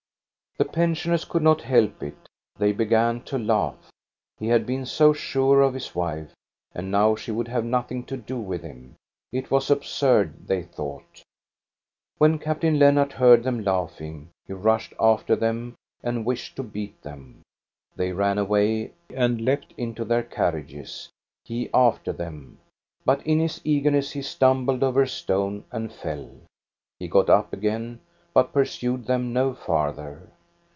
The pensioners could not help it, they began to laugh. He had been so sure of his wife, and now she would have nothing to do with him. It was absurd, they thought. When Captain Lennart heard them laughing, he rushed after them and wished to beat them. They ran away and leaped into their carriages, he after them; but in his eagerness he stumbled over a stone and fell. He got up again, but pursued them no farther.